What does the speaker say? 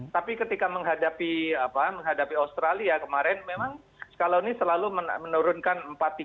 tapi ketika menghadapi australia kemarin memang scaloni selalu menurunkan empat tiga